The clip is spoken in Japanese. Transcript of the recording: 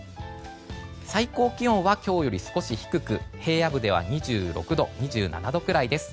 最高気温は今日より少し低く平野部では２６度、２７度くらいです。